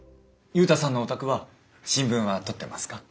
ユウタさんのお宅は新聞は取ってますか？